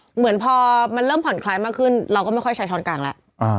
เหมือนพอมันเริ่มผ่อนคลายมากขึ้นเราก็ไม่ค่อยใช้ช้อนกลางแล้ว